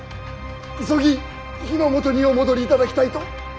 急ぎ日の本にお戻りいただきたいと。